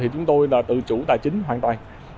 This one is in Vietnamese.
chúng tôi là tự chủ tài chính hoàn toàn